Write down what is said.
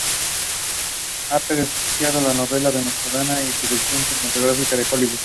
Ha participado en novelas de Venezuela, y en producciones cinematográficas de Hollywood.